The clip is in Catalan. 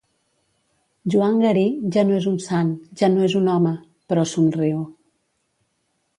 Joan Garí ja no és un sant, ja no és un home. Però somriu...